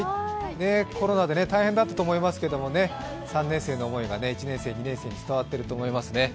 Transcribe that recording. コロナで大変だったと思いますけれども、３年生の思いが１年生、２年生に伝わっていると思いますね。